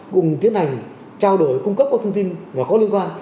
cùng tiến hành trao đổi cung cấp các thông tin và có liên quan